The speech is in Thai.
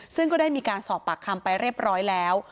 ซึ่งก็ได้มีการสอบปากคำไปเรียบร้อยแล้ว